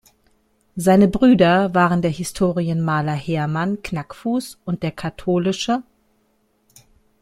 Seine Brüder waren der Historienmaler Hermann Knackfuß und der kath.